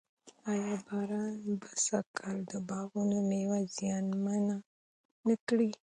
آیا باران به سږ کال د باغونو مېوه زیانمنه نه کړي؟